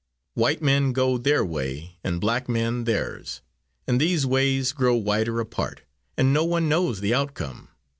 White men go their way, and black men theirs, and these ways grow wider apart, and no one knows the outcome.